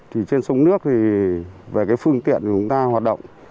thì trên sông nước thì về cái phương tiện của chúng ta hoạt động